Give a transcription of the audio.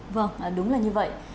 vâng đúng là như vậy